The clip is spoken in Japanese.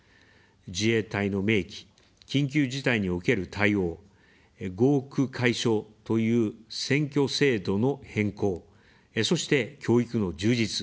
自衛隊の明記、緊急事態における対応、合区解消という選挙制度の変更、そして、教育の充実。